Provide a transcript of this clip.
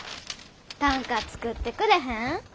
短歌作ってくれへん？